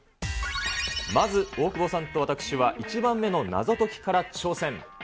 まず大久保さんと私は１番目の謎解きから挑戦。